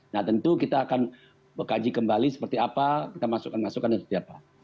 nah tentu kita akan mengkaji kembali seperti apa kita masukkan masukkan dan setiap hal